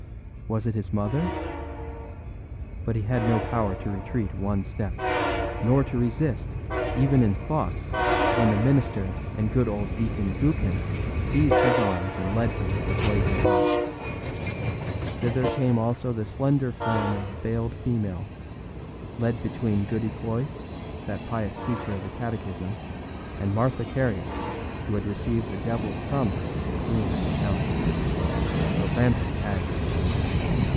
Was it his mother? But he had no power to retreat one step, nor to resist, even in thought, when the minister and good old Deacon Gookin seized his arms and led him to the blazing rock. Thither came also the slender form of a veiled female, led between Goody Cloyse, that pious teacher of the catechism, and Martha Carrier, who had received the devilâs promise to be queen of hell. A rampant hag was she.